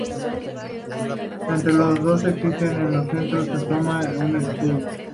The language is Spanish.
Entre los dos existentes en el centro asoma un escudo.